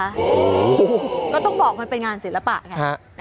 โอ้โหก็ต้องบอกมันเป็นงานศิลปะไง